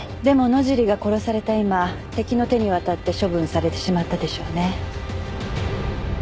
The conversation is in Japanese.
でも野尻が殺された今敵の手に渡って処分されてしまったでしょうね。